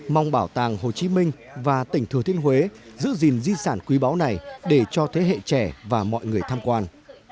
mong bảo tàng hồ chí minh và tỉnh thừa thiên huế giữ gìn di sản quý báu này để cho thế hệ trẻ và mọi người tham quan